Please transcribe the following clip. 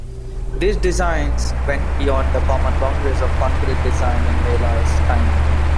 These designs went beyond the common boundaries of concrete design in Maillart's time.